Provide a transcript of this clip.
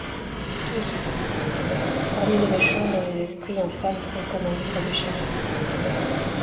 Tous! hormis les méchants, dont les esprits infâmesSont comme un livre déchiré.